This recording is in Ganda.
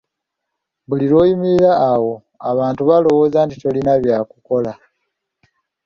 Buli lw’oyimirira awo abantu balowooza tolina bya kukola.